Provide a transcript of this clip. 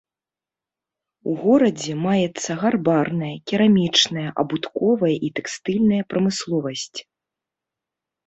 У горадзе маецца гарбарная, керамічная, абутковая і тэкстыльная прамысловасць.